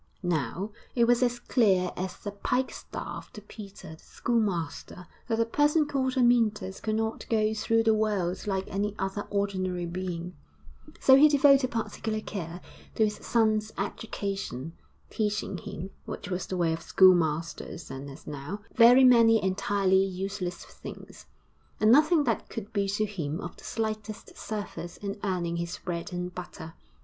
III Now, it was as clear as a pikestaff to Peter the Schoolmaster that a person called Amyntas could not go through the world like any other ordinary being; so he devoted particular care to his son's education, teaching him, which was the way of schoolmasters then as now, very many entirely useless things, and nothing that could be to him of the slightest service in earning his bread and butter.